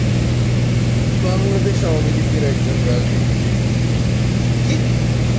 বাংলাদেশ আওয়ামী লীগের একজন রাজনীতিবিদ।